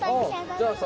じゃあさ。